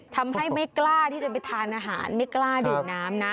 ไม่กล้าที่จะไปทานอาหารไม่กล้าดื่มน้ำนะ